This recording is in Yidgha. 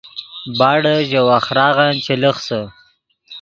باڑے ژے وَخۡراغن چے لخسے